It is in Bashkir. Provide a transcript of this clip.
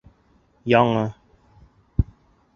Яңы